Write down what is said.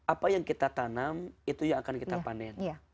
apa yang kita tanam itu yang akan kita panen